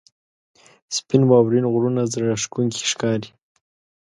• سپین واورین غرونه زړه راښکونکي ښکاري.